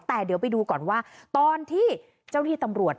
แต่เดี๋ยวไปดูก่อนว่าตอนที่เจ้าที่ตำรวจ